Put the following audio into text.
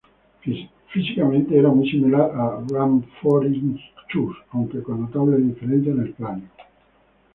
Físicamente era muy similar a "Rhamphorhynchus", aunque con notables diferencias en el cráneo.